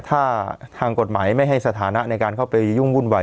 ถ้าทางกฎหมายไม่ให้สถานะในการเข้าไปยุ่งวุ่นวาย